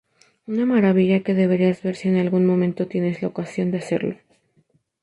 Una maravilla que deberías ver si en algún momento tienes la ocasión de hacerlo.